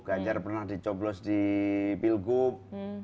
ganjar pernah dicoblos di pilgub